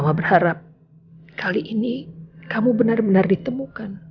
duh syukurnya ketemu